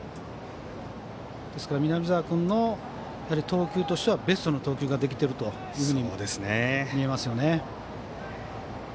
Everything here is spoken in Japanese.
南澤君の投球としてはベストの投球ができているというふうに見えますね。